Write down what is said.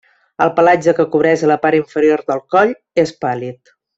El pelatge que cobreix la part inferior del coll és pàl·lid.